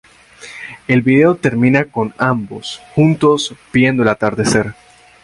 El video termina con ambos juntos viendo el atardecer.